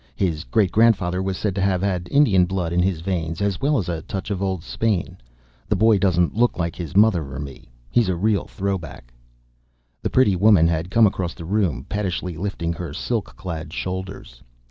"His great grandfather was said to have had Indian blood in his veins, as well as a touch of old Spain. The boy doesn't look like his mother or me. He's a real throw back." The pretty woman had come across the room, pettishly lifting her silk clad shoulders.